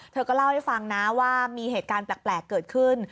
เธอก็เล่าให้ฟังนะว่ามีเหตุการณ์แปลกเกิดขึ้น